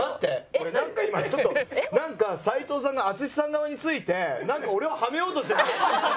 俺なんか今ちょっと齊藤さんが淳さん側についてなんか俺をハメようとしてない？